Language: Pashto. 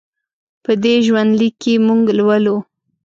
په دې ژوند لیک کې موږ لولو.